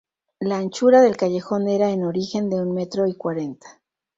La anchura del callejón era en origen de un metro y cuarenta.